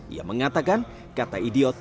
ia mengatakan kata idiot tidak disimpulkan